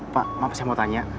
pak maaf saya mau tanya